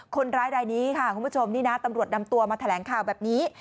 คนร้ายรายนี้ค่ะคุณผู้ชมนี่นะตำรวจนำตัวมาแถลงข่าวแบบนี้